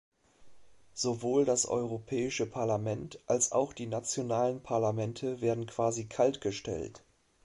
Sowohl das Europäische Parlament als auch die nationalen Parlamente werden quasi kaltgestellt.